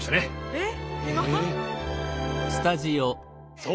えっ？